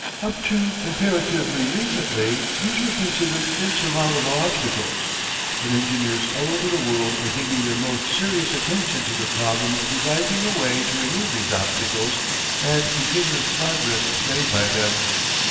Up to comparatively recently these were considered insurmountable obstacles. But engineers all over the world are giving their most serious attention to the problem of devising a way to remove these obstacles and continuous progress is made by them.